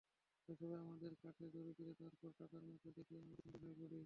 শৈশব আমাদের কাটে দারিদ্র্যে, তারপর টাকার মুখ দেখলেই আমরা বিশৃঙ্খল হয়ে পড়ি।